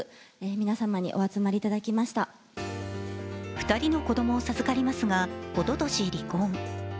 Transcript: ２人に子供を授かりますがおととし離婚。